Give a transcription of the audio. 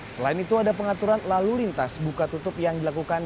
selain itu ada pengaturan lalu lintas buka tutup yang dilakukan